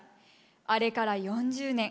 あれから４０年。